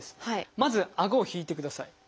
まずあごを引いてください。